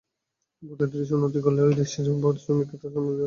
প্রতিটি দেশের উন্নতি করতে হলে ঐ দেশের শ্রমিককে তার শ্রমের যথাযথ মূল্য দিতে হবে।